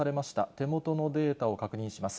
手元のデータを確認します。